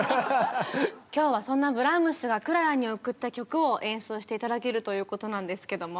今日はそんなブラームスがクララに贈った曲を演奏して頂けるということなんですけども。